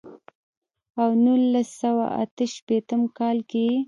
او نولس سوه اتۀ شپېتم کال کښې ئې